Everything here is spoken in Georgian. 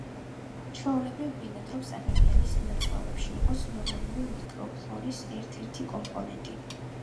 ჩვეულებრივ ბინადრობს ადამიანის ნაწლავებში როგორც ნორმალური მიკროფლორის ერთ-ერთი კომპონენტი.